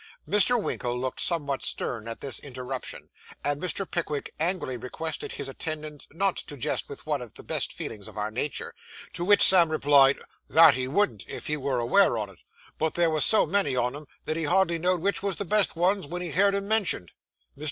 Mr. Winkle looked somewhat stern at this interruption, and Mr. Pickwick angrily requested his attendant not to jest with one of the best feelings of our nature; to which Sam replied, 'That he wouldn't, if he was aware on it; but there were so many on 'em, that he hardly know'd which was the best ones wen he heerd 'em mentioned.' Mr.